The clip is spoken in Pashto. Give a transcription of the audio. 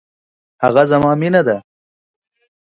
هغه زما مینه ده